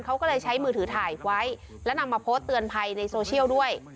เขาก็เลยใช้มือถือถ่ายไว้และนำมาโพสต์เตือนภัยในโซเชียลด้วย